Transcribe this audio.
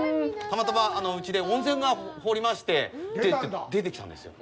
たまたまうちで温泉を掘りまして出てきたんですよ。